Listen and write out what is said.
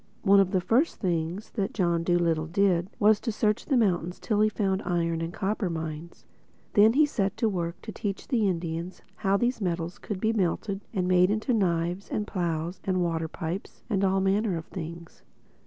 One of the first things that John Dolittle did was to search the mountains till he found iron and copper mines. Then he set to work to teach the Indians how these metals could be melted and made into knives and plows and water pipes and all manner of things.